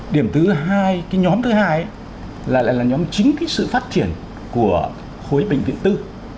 điểm thứ hai cái nhóm thứ hai là lại là nhóm chính cái sự phát triển của khối bệnh viện tư